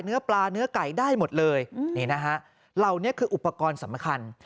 เนื้อปลาเนื้อไก่ได้หมดเลยนี่นะฮะเหล่านี้คืออุปกรณ์สำคัญ